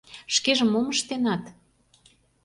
Шкеже мом ыштенат?!